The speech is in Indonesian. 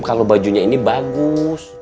kalau bajunya ini bagus